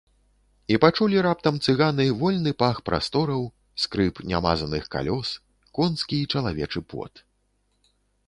І пачулі раптам цыганы вольны пах прастораў, скрып нямазаных калёс, конскі і чалавечы пот.